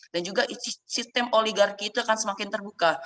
dan juga sistem oligarki itu akan semakin terbuka